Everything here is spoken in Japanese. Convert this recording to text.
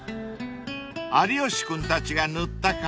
［有吉君たちが塗った壁］